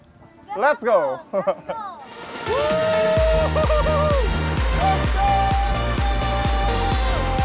kita mau balapan ini kurang lebih